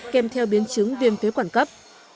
kèm theo biến chứng viêm phế quản cấp